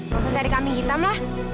khusus dari kambing hitam lah